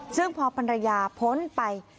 ซึ่งพอภรรยาพ้นไป